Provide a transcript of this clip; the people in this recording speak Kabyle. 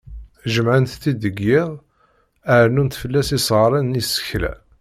Jemεent-t-id deg yiḍ, rennunt fell-as isγaren n yisekla.